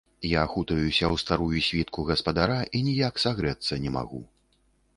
Я хутаюся ў старую світку гаспадара і ніяк сагрэцца не магу.